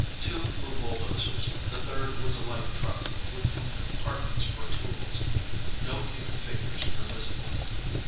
Two were bulldozers; the third was a light truck with compartments for tools. No human figures were visible.